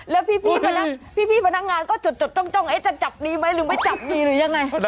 แล้วพี่พนักงานก็จดจ้องจะจับดีไหมหรือไม่จับดีหรือยังไง